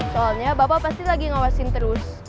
soalnya bapak pasti lagi ngawasin terus